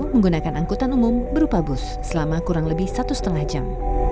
menggunakan angkutan umum berupa bus selama kurang lebih satu setengah jam